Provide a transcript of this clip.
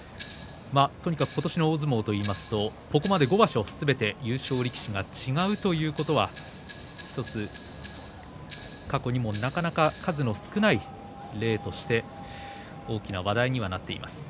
とにかく今年の大相撲といいますと、ここまで５場所すべて優勝力士が違うということ１つ、過去にもなかなか数の少ない例として大きな話題にはなっています。